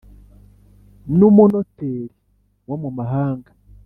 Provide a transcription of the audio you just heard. N umunoteri wo mu mahanga